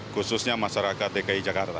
khususnya masyarakat dki jakarta